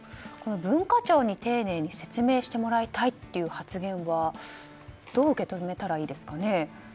文化庁に丁寧に説明してもらいたいという発言はどう受け止めたらいいですかね？